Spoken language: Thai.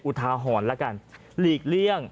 อุทาหอนละกันหลีกเลี่ยง